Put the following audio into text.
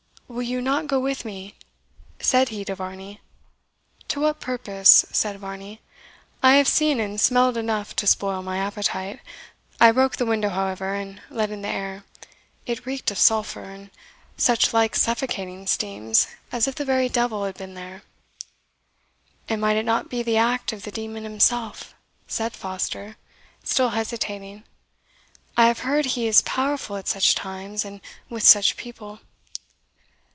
"Will you not go with me?" said he to Varney. "To what purpose?" said Varney; "I have seen and smelled enough to spoil my appetite. I broke the window, however, and let in the air; it reeked of sulphur, and such like suffocating steams, as if the very devil had been there." "And might it not be the act of the demon himself?" said Foster, still hesitating; "I have heard he is powerful at such times, and with such people."